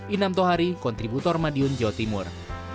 inam tohari kontributor madiun jawa timur